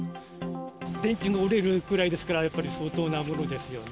電柱も折れるぐらいですから、やっぱり相当なものですよね。